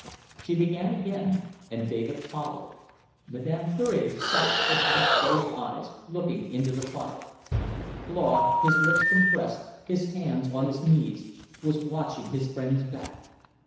She began again, and David followed. Madame Fleury sat with half closed eyes, looking into the fire. Claude, his lips compressed, his hands on his knees, was watching his friend's back.